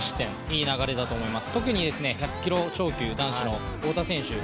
いい流れだと思います。